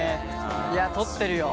いや取ってるよ。